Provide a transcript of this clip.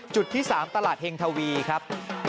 จุดที่๓ตลาดเฮงทวีครับ